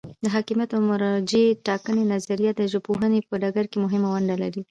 د حاکمیت او مرجع ټاکنې نظریه د ژبپوهنې په ډګر کې مهمه ونډه لري.